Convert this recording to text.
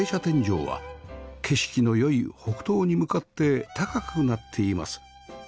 天井は景色の良い北東に向かって高くなっています